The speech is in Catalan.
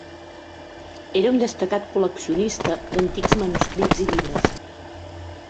Era un destacat col·leccionista d'antics manuscrits i llibres.